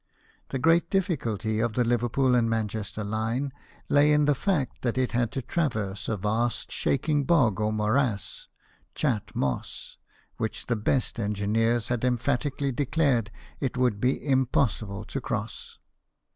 The great difficulty of the Liverpool and Manchester line lay in the fact that it had to traverse a vast shaking bog or morass, Chat Moss, which the best engineers had emphati cally declared it would be impossible to cross.